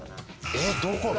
えっどこだ？